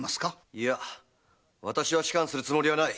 いや私は仕官するつもりはない！